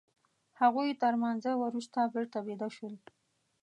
هغوی تر لمانځه وروسته بېرته بيده شول.